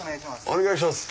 お願いします